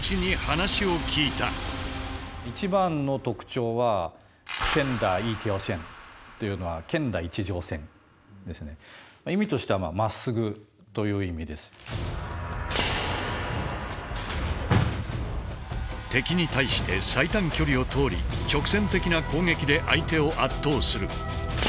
一番の特徴は意味としては敵に対して最短距離を通り直線的な攻撃で相手を圧倒する。